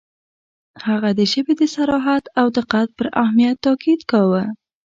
• هغه د ژبې د صراحت او دقت پر اهمیت تأکید کاوه.